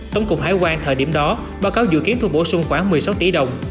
tổng cục hải quan thời điểm đó báo cáo dự kiến thu bổ sung khoảng một mươi sáu tỷ đồng